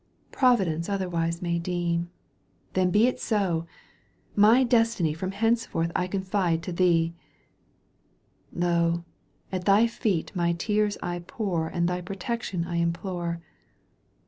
Providence otherwise may deem —* Then be it so I My destiny From henceforth I confide to thee I Lo ! at thy feet my tears I pour And thy protection I implore.